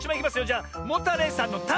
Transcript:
じゃモタレイさんの「タ」！